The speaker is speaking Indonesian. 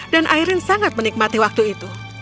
dan airin sangat menikmati waktu itu